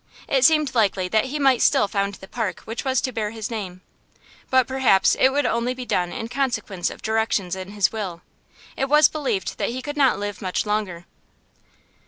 It seemed likely that he might still found the park which was to bear his name; but perhaps it would only be done in consequence of directions in his will. It was believed that he could not live much longer.